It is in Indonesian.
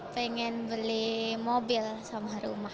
pengen beli mobil sama rumah